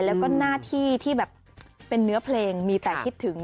แล้วก็หน้าที่ที่แบบเป็นเนื้อเพลงมีแต่คิดถึง